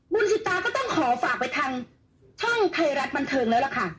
สิตาก็ต้องขอฝากไปทางช่องไทยรัฐบันเทิงแล้วล่ะค่ะ